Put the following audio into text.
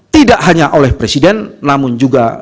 tidak hanya oleh presiden namun juga